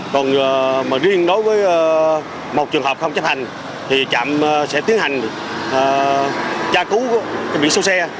còn mà riêng đối với một trường hợp không chấp hành thì trạm sẽ tiến hành tra cứu bị sâu xe